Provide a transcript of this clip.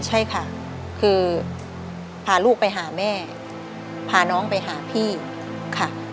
ใช่ค่ะคือพาลูกไปหาแม่พาน้องไปหาพี่ค่ะ